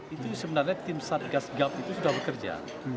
itu sebenarnya tim satgas gap itu sudah bekerja